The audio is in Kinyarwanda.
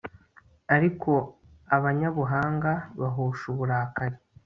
ariko abanyabuhanga bahosha uburakari